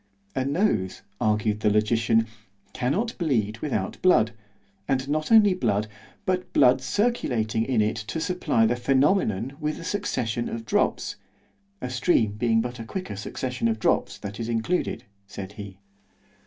A nose, argued the logician, cannot bleed without blood—and not only blood—but blood circulating in it to supply the phænomenon with a succession of drops—(a stream being but a quicker succession of drops, that is included, said he.)